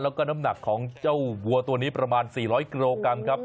แล้วก็น้ำหนักของเจ้าวัวตัวนี้ประมาณ๔๐๐กิโลกรัมครับ